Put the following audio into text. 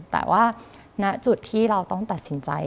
แต่ว่าณจุดที่เราต้องตัดสินใจ